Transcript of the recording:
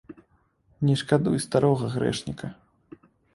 Не шкадуй старога грэшніка!